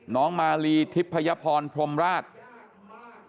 น้องมาลีทิพยพรพรมราช